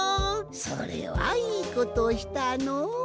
それはいいことをしたのう。